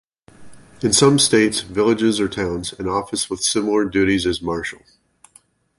In some states, villages or towns, an office with similar duties is marshal.